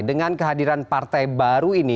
dengan kehadiran partai baru ini